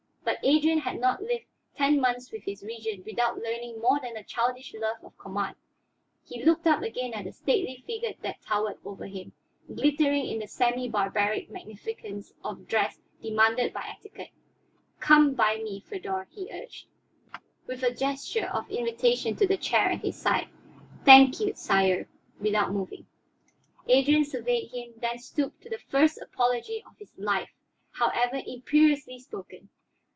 But Adrian had not lived ten months with his Regent without learning more than a childish love of command. He looked up again at the stately figure that towered over him, glittering in the semibarbaric magnificence of dress demanded by etiquette. "Come by me, Feodor," he urged, with a gesture of invitation to the chair at his side. "Thank you, sire," without moving. Adrian surveyed him, then stooped to the first apology of his life, however imperiously spoken.